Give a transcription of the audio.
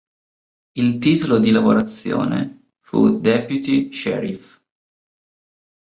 Il titolo di lavorazione fu "Deputy Sheriff".